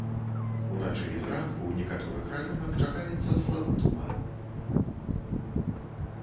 Уначы і зранку ў некаторых раёнах чакаецца слабы туман.